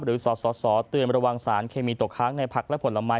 สสเตือนระวังสารเคมีตกค้างในผักและผลไม้